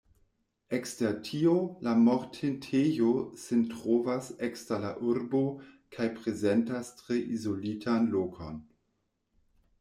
Ekster tio, la mortintejo sin trovas ekster la urbo kaj prezentas tre izolitan lokon.